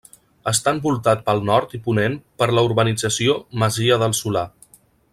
Està envoltat pel nord i ponent per la Urbanització Masia del Solà.